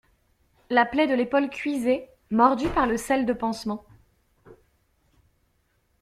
La plaie de l'épaule cuisait, mordue par le sel de pansement.